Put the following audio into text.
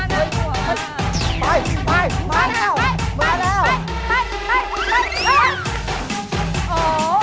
เดี๋ยวขอบคุณค่ะ